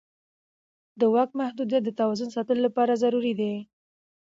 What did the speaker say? د واک محدودیت د توازن ساتلو لپاره ضروري دی